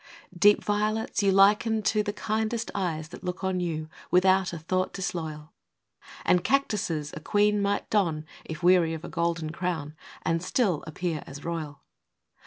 Deep violets you liken to The kindest eyes that look on you, Without a thought disloyal; And cactuses a queen might don, If weary of a golden crown, And still appear as royal.